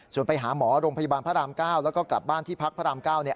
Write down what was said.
ส่วนไปหาหมอโรงพยาบาลพระราม๙แล้วก็กลับบ้านที่พักพระราม๙